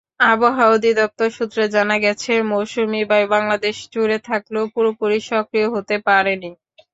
আবহাওয়া অধিদপ্তর সূত্রে জানা গেছে, মৌসুমি বায়ু বাংলাদেশজুড়ে থাকলেও পুরোপুরি সক্রিয় হতে পারেনি।